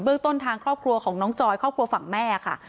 เรื่องต้นทางครอบครัวของน้องจอยครอบครัวฝั่งแม่ค่ะ